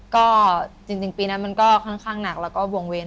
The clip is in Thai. ก็จริงปีนั้นมันก็ค่อนข้างหนักแล้วก็วงเว้น